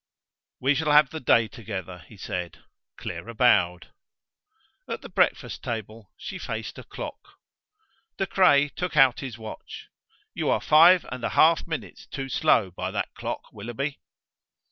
"We shall have the day together," he said. Clara bowed. At the breakfast table she faced a clock. De Craye took out his watch. "You are five and a half minutes too slow by that clock, Willoughby."